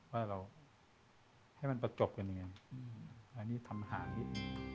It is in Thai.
ว่าเราให้มันประจบกันอย่างงี้อืมอันนี้ทำหาดนี้